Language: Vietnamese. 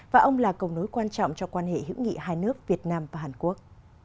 và ông là cầu nối quan trọng cho quan hệ hữu nghị hai nước việt nam và hàn quốc